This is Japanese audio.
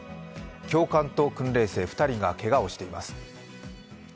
教官と訓練生、２人がけがをしています。